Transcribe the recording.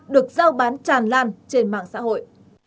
được giao bán tràn lan trên mạng xã hội